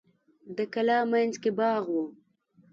د کلا مینځ کې باغ و.